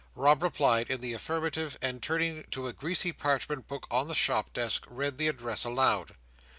Rob replied in the affirmative, and turning to a greasy parchment book on the shop desk, read the address aloud.